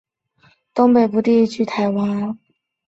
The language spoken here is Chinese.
温妮台风挟带强风豪雨过境台湾北部及东北部地区。